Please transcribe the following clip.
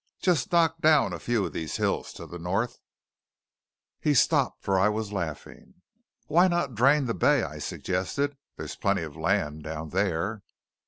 Just knock down a few of these hills to the north " He stopped, for I was laughing. "Why not drain the bay?" I suggested. "There's a plenty of land down there."